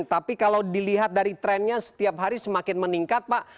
tapi kalau dilihat dari trennya setiap hari semakin meningkat pak